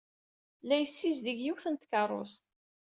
La yessizdig yiwet n tkeṛṛust.